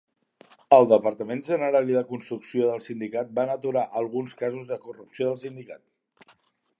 El departament General i de Construcció del sindicat van aturar alguns casos de corrupció del sindicat.